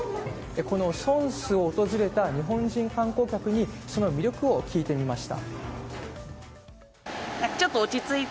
このソンスを訪れた日本人観光客にその魅力を聞いてみました。